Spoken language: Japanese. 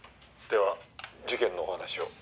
「では事件のお話を」